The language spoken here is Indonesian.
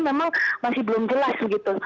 memang masih belum jelas